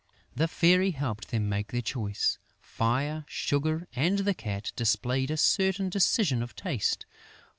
The Fairy helped them make their choice. Fire, Sugar and the Cat displayed a certain decision of taste.